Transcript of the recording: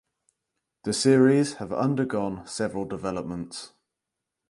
The series have undergone several developments.